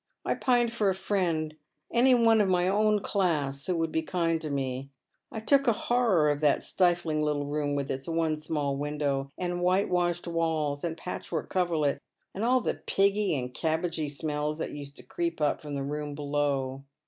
I pined for a friend, any one of my ewn class who would be kind to me. I took a hon or of that stifling little room with its one small window, and whitewashed walls, and patchwork coverlet, and all the piggy and cabbagy smells that used to creep up fi om the room below.